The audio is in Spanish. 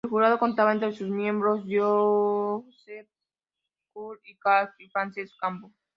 El jurado contaba entre sus miembros a Josep Puig i Cadafalch y Francesc Cambó.